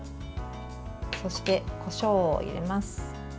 そして、こしょうを入れます。